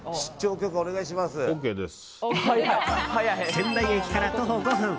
仙台駅から、徒歩５分